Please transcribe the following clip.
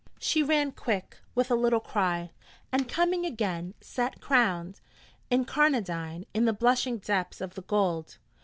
She ran quick with a little cry, and coming again, sat crowned, incarnadine in the blushing depths of the gold.